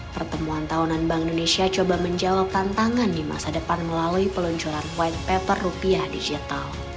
pertemuan tahunan bank indonesia coba menjawab tantangan di masa depan melalui peluncuran white paper rupiah digital